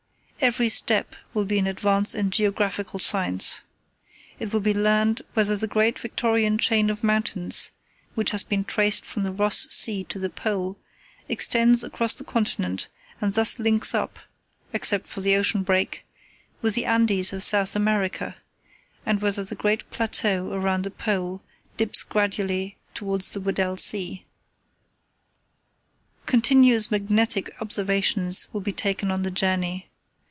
Every step will be an advance in geographical science. It will be learned whether the great Victoria chain of mountains, which has been traced from the Ross Sea to the Pole, extends across the continent and thus links up (except for the ocean break) with the Andes of South America, and whether the great plateau around the Pole dips gradually towards the Weddell Sea. "Continuous magnetic observations will be taken on the journey.